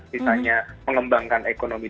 misalnya mengembangkan ekonomi